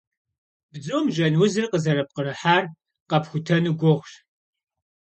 Бзум жьэн узыр къызэрыпкърыхьар къэпхутэну гугъущ.